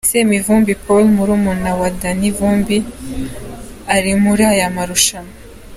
Semivumbi Paul murumuna wa Danny Vumbi ari muri aya marushanwa.